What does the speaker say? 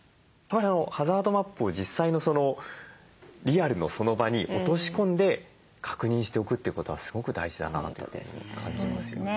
ハザードマップを実際のリアルのその場に落とし込んで確認しておくということはすごく大事だなと感じますよね。